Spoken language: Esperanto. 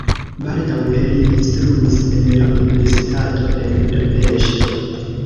Baldaŭe li instruis en la universitato en Budapeŝto.